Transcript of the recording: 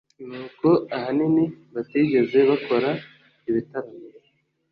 n'uko ahanini batigeze bakora ibitaramo